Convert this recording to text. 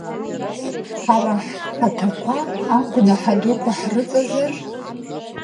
Ҳара ҳхаҭақәа агәнаҳа-дуқәа ҳрыҵазар…